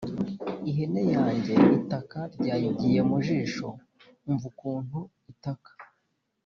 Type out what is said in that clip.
ihene yange itaka ryayigiye mu jisho umva ukuntu itaka